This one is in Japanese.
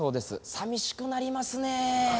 寂しくなりますね。